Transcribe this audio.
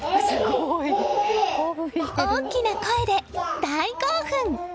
大きな声で大興奮！